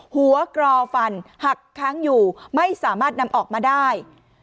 หัวกรอฟันหักค้างอยู่ไม่สามารถนำออกมาได้